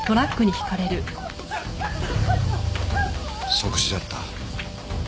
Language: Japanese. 即死だった。